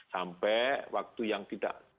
sampai waktu yang tidak